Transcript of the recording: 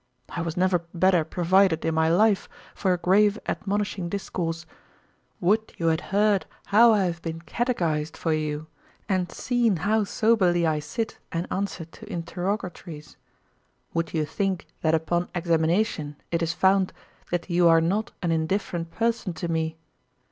I was never better provided in my life for a grave admonishing discourse. Would you had heard how I have been catechized for you, and seen how soberly I sit and answer to interrogatories. Would you think that upon examination it is found that you are not an indifferent person to me?